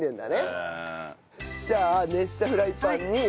じゃあ熱したフライパンに。